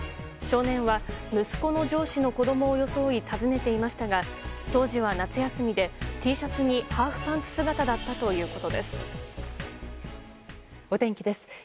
少年は息子の上司の子供を装い訪ねていましたが当時は夏休みでＴシャツにハーフパンツ姿だったということです。